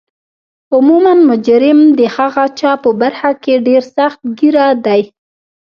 عموما مجرم د هغه چا په برخه کې ډیر سخت ګیره دی